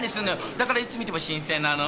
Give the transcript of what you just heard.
だからいつ観ても新鮮なの！